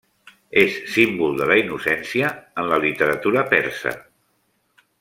És símbol de la innocència en la literatura persa.